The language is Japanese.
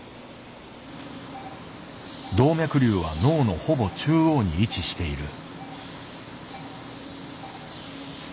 動脈瘤は脳のほぼ中央に位置している。